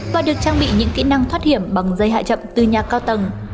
và được trang bị những kỹ năng thoát hiểm bằng dây hạ chậm tư nha cao tầng